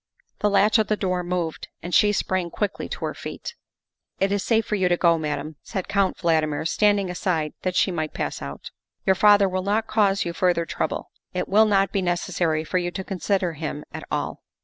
The latch of the door moved and she sprang quickly to her feet. "It is safe for you to go, Madame," said Count Valdmir, standing aside that she might pass out. *' Your father will not cause you further trouble; it will not be necessary for you to consider him at all."